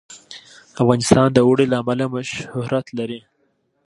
افغانستان د اوړي له امله شهرت لري.